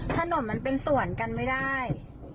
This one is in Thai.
ถนนมันเป็นส่วนกันไม่ได้